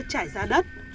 trải ra đất